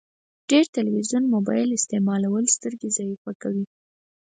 ډير تلويزون مبايل استعمالول سترګي ضعیفه کوی